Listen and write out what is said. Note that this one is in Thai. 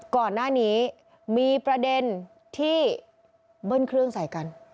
ก่อนหน้านี้มีประเด็นที่เบิ้ลเครื่องใส่กัน